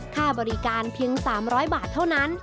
ค่าบริการเพียง๓๐๐บาทเท่านั้น